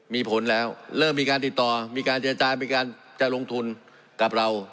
มีผลแล้วเริ่มมีการติดต่อมีการเจรจามีการจะลงทุนกับเรา